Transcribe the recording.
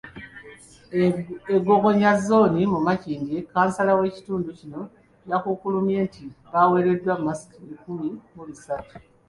E Gogonya zooni mu Makindye, kansala w’ekitundu kino yakukkulumye nti baweereddwa masiki lukumi mu bisatu.